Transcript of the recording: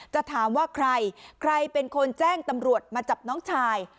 จะถามว่าใครใครเป็นคนแจ้งตำรวจมาจับน้องชาย